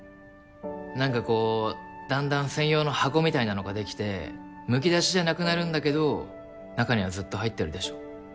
何かこうだんだん専用の箱みたいなのが出来てむき出しじゃなくなるんだけど中にはずっと入ってるでしょ。